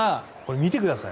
見てください。